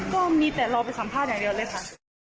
ก็มีแต่เราไปสัมภาษณ์อย่างเดียวเลยค่ะ